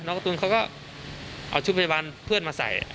การ์ตูนเขาก็เอาชุดพยาบาลเพื่อนมาใส่